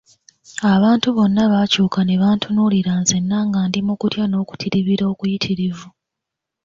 Abantu bonna baakyuka ne bantunuulira nzenna nga ndi mu kutya n'okutiribira okuyitirivu.